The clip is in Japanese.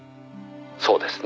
そうですね？」